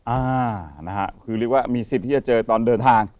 อ่านะฮะคือเรียกว่ามีสิทธิ์ที่จะเจอตอนเดินทาง